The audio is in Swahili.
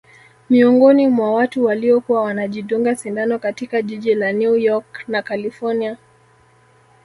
Miongoni mwa watu waliokuwa wanajidunga sindano katika jiji la New York na kalifornia